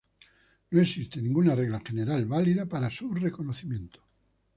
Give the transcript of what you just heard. No existe ninguna regla general válida para su reconocimiento.